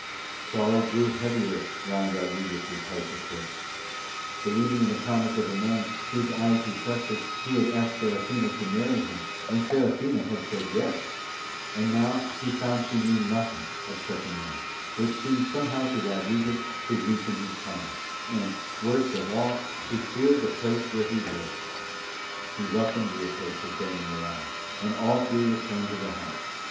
Sorrow grew heavier round Rodriguez' heart at this: believing in the promise of a man whose eyes he trusted he had asked Serafina to marry him, and Serafina had said Yes; and now he found she knew nothing of such a man, which seemed somehow to Rodriguez to weaken his promise, and, worst of all, she feared the place where he lived. He welcomed the approach of Dona Mirana, and all three returned to the house.